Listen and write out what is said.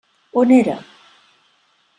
On era?